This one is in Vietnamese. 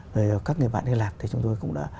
về các người bạn hy lạp thì chúng tôi cũng đã